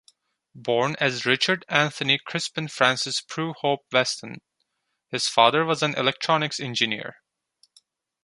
Born as Richard Anthony Crispian Francis Prew Hope-Weston, his father was an electronics engineer.